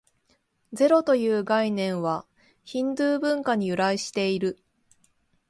ゼロという概念は、ヒンドゥー文化に由来している。